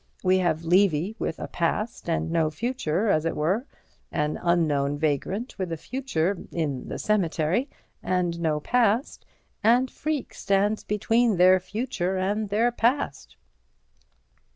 We have Levy with a past, and no future, as it were; an unknown vagrant with a future (in the cemetery) and no past, and Freke stands between their future and their past."